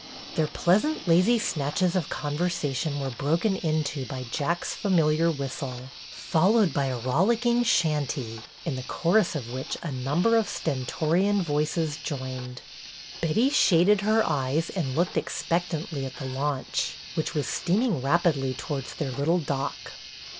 Their pleasant, lazy snatches of conversation were broken into by Jack's familiar whistle, followed by a rollicking chantey, in the chorus of which a number of stentorian voices joined. Betty shaded her eyes and looked expect antly at the launch, which was steaming rapidly towards their little dock.